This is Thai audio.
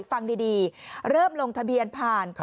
ฟังดีเริ่มลงทะเบียนผ่าน